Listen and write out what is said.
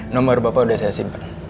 nomor bapak udah saya simpan